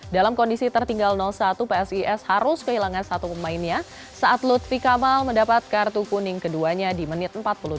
dalam kondisi tertinggal satu psis harus kehilangan satu pemainnya saat lutfi kamal mendapat kartu kuning keduanya di menit empat puluh dua